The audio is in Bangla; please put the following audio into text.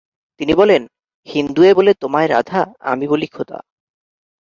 তিনি বলেন,' হিন্দুয়ে বলে তোমায় রাধা, আমি বলি খোদা'।